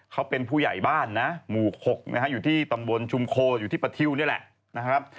เขาเป็นผู้ใหญ่บ้านนะหมู่๖นะฮะอยู่ที่ตำบลชุมโคอยู่ที่ประทิวนี่แหละนะครับ